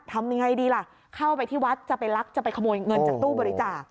ทำยังไงดีล่ะเข้าไปที่วัดจะไปลักจะไปขโมยเงินจากตู้บริจาค